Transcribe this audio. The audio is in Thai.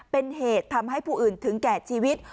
เป็นเหตุทำให้ผู้อื่นถึงแก่ชีวิต